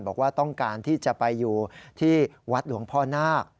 บอกว่าต้องการที่จะไปอยู่ที่วัดหลวงพ่อนาค